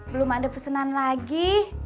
belum ada pesanan lagi